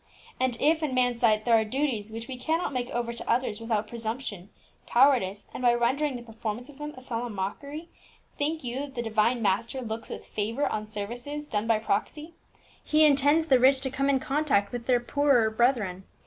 "And if in man's sight there are duties which we cannot make over to others without presumption, cowardice, and rendering the performance of them a solemn mockery, think you that the Divine Master looks with favour on services done by proxy? He intends the rich to come in contact with their poorer brethren.